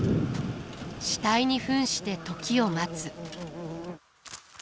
死体に扮して時を待つ。